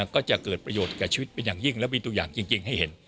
ก็จะเกิดประโยชน์กับชีวิตเป็นอย่างยิ่งและมีตัวอย่างจริงให้เห็น